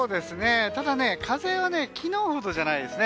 ただ、風は昨日ほどじゃないですね。